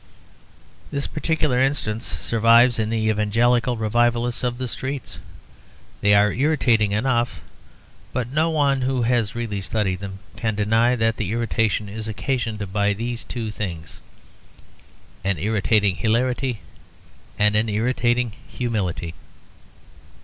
This particular instance survives in the evangelical revivalists of the street. They are irritating enough, but no one who has really studied them can deny that the irritation is occasioned by these two things, an irritating hilarity and an irritating humility.